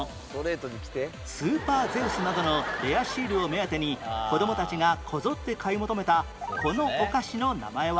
スーパーゼウスなどのレアシールを目当てに子どもたちがこぞって買い求めたこのお菓子の名前は？